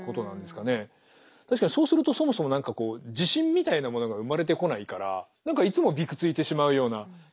確かにそうするとそもそも何か自信みたいなものが生まれてこないから何かいつもびくついてしまうような。